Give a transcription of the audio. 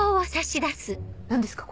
何ですか？